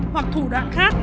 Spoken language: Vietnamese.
hoặc thủ đoạn khác